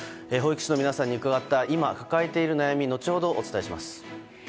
保育士の皆さんに伺った今、抱えている悩みを後ほどお伝えします。